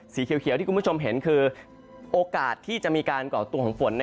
สีเขียวที่คุณผู้ชมเห็นคือโอกาสที่จะมีการก่อตัวของฝน